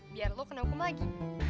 biar lo kena hukum lagi